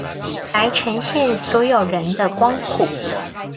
來呈現所有人的光譜